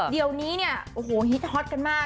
เดี๋ยวนี้เนี่ยโอ้โหฮิตฮอตกันมาก